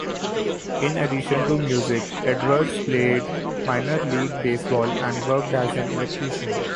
In addition to music Edwards played minor-league baseball and worked as an electrician.